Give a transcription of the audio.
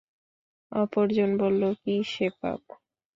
অপরজন বলল, কি সে পাপ?